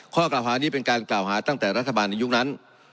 ข้อกล่าวหานี้เป็นการกล่าวหาตั้งแต่รัฐบาลในยุคนั้น